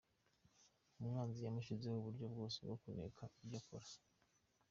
Umwanzi yamushyizeho uburyo bwose bwo kuneka ibyo akora.